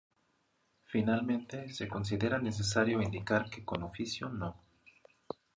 Finalmente, se considera necesario indicar que con oficio No.